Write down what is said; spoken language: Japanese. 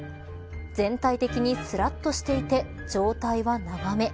全体的にすらっとしていて上体は長め。